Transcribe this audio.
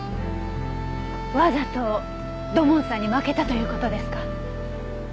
わざと土門さんに負けたという事ですか？